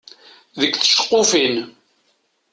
Deg tceqqufin.